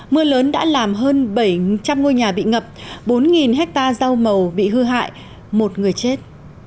mưa lớn đã làm hơn bảy trăm linh ngôi nhà bị ngập bốn ha rau màu bị hư hại một người chết